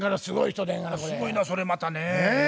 すごいなそれまたね。